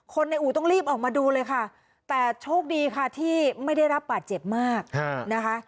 ในอู่ต้องรีบออกมาดูเลยค่ะแต่โชคดีค่ะที่ไม่ได้รับบาดเจ็บมากนะคะ